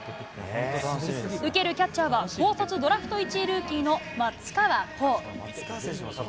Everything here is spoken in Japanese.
受けるキャッチャーは高卒ドラフト１位ルーキーの松川虎生。